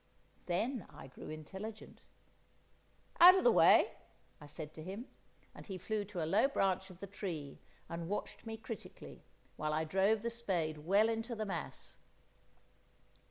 Then I grew intelligent. "Out of the way," I said to him, and he flew to a low branch of the tree and watched me critically, while I drove the spade well into the mass.